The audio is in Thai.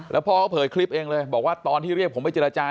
แล้วพ่อเขาเผยคลิปเองเลยบอกว่าตอนที่เรียกผมไปเจรจา